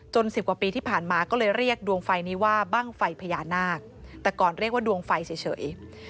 สิบกว่าปีที่ผ่านมาก็เลยเรียกดวงไฟนี้ว่าบ้างไฟพญานาคแต่ก่อนเรียกว่าดวงไฟเฉย